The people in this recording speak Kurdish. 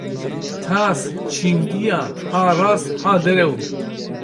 Tas çingiya, ha rast ha derew